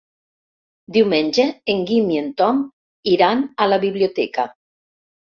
Diumenge en Guim i en Tom iran a la biblioteca.